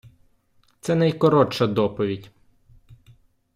Це найкоротша доповідь.